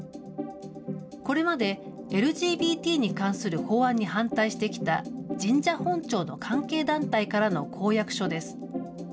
これまでＬＧＢＴに関する法案に反対してきた神社本庁の関係団体からの公約書です。